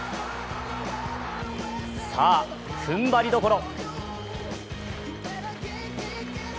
さあ、ふんばりどころ。